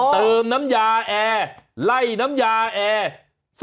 เติมน้ำยาแอร์ไล่น้ำยาแอร์